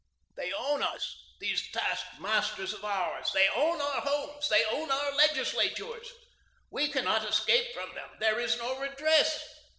"They own us, these task masters of ours; they own our homes, they own our legislatures. We cannot escape from them. There is no redress.